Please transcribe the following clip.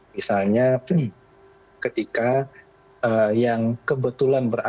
misalnya ketika yang kebetulan berada